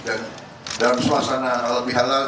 dan dalam suasana halal bihalal